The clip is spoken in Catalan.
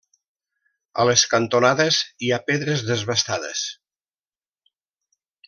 A les cantonades hi ha pedres desbastades.